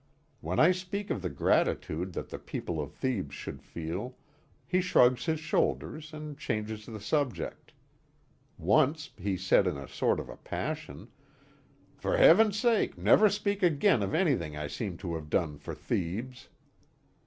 When I speak of the gratitude that the people of Thebes should feel, he shrugs his shoulders and changes the subject. Once, he said in a sort of a passion: "For heaven's sake never speak again of anything I seem to have done for Thebes."